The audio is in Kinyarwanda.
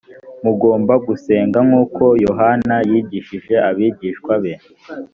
mugomba gusenga nk’uko yohana yigishije abigishwa be